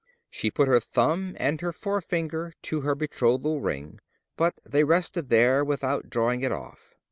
She put her thumb and her forefinger to her betrothal ring; but they rested there, without drawing it off.